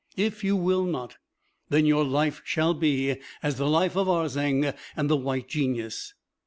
If you will not, then your life shall be as the life of Arzeng and the White Genius."